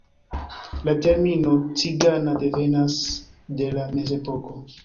La termino "cigana" devenas de la mezepoko.